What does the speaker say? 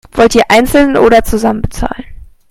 Wollt ihr einzeln oder zusammen bezahlen?